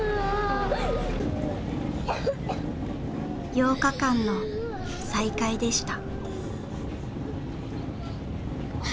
８日間の再会でした。